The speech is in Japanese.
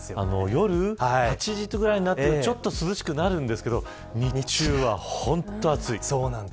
夜８時ぐらいになるとちょっと涼しくなるんですけど日中は本当に暑い。